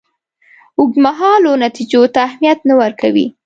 اوږدمهالو نتیجو ته اهمیت نه ورکوي.